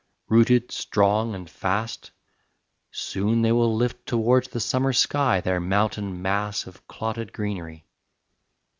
Rooted strong and fast, Soon will they lift towards the summer sky Their mountain mass of clotted greenery.